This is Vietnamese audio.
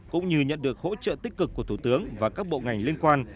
cũng như nhận được hỗ trợ tích cực của thủ tướng và các bộ ngành liên quan